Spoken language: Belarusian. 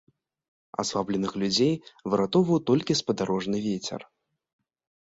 Аслабленых людзей выратоўваў толькі спадарожны вецер.